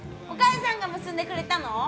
お母さんが結んでくれたの？